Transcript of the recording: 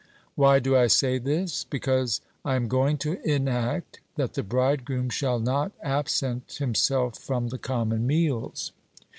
Why do I say this? Because I am going to enact that the bridegroom shall not absent himself from the common meals.